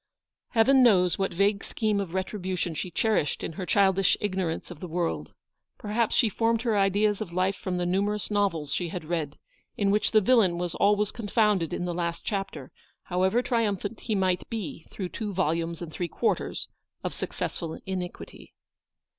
Heaven knows what vague scheme of retribu tion she cherished in her childish ignorance of the world. Perhaps she formed her ideas of life from the numerous novels she had read, in which the villain was always confounded in the last chapter, however triumphant he might be through two volumes and three quarters of suc cessful iniquity.